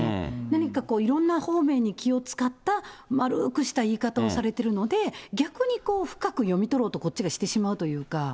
何かこう、いろんな方面に気を遣った、丸くした言い方をされているので、逆にこう、深く読み取ろうとこっちがしてしまうというか。